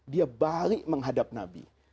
dia balik menghadap nabi